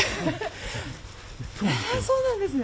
そうなんですね。